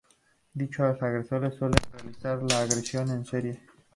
Dichos agresores suelen realizar la agresión en serie.